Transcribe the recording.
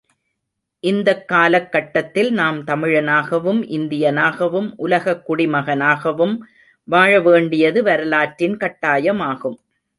இந்தக் காலக் கட்டத்தில் நாம் தமிழனாகவும் இந்தியனாகவும் உலகக் குடிமகனாகவும் வாழ வேண்டியது வரலாற்றின் கட்டாயமாகும்.